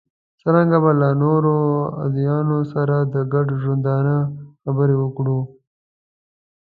څرنګه به له نورو ادیانو سره د ګډ ژوندانه خبرې وکړو.